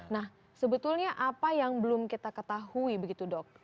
nah sebetulnya apa yang belum kita ketahui begitu dok